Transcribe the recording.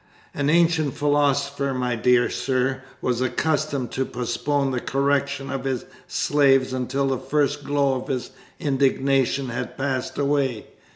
"An ancient philosopher, my dear sir, was accustomed to postpone the correction of his slaves until the first glow of his indignation had passed away.